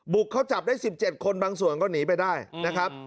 เขาจับได้๑๗คนบางส่วนก็หนีไปได้นะครับ